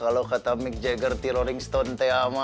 kalau kata mick jagger t rolling stone teh ama